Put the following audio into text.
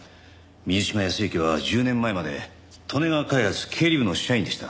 水島泰之は１０年前まで利根川開発経理部の社員でした。